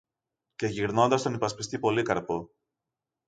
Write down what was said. Και γυρνώντας στον υπασπιστή Πολύκαρπο